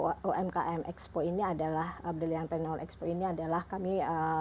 salah satu rangkaian di umkm expo ini adalah brilliant train all expo ini adalah kami mempertemukan buyer